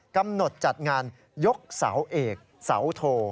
จัดงานยกเสาเอกเสาโท